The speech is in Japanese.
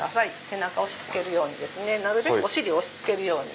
背中押し付けるようにですねなるべくお尻押し付けるように。